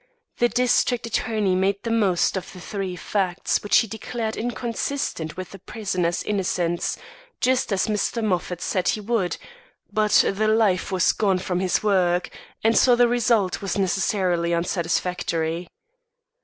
The district attorney made the most of the three facts which he declared inconsistent with the prisoner's innocence, just as Mr. Moffat said he would; but the life was gone from his work, and the result was necessarily unsatisfactory.